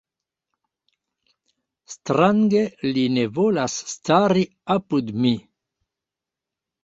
Strange li ne volas stari apud mi.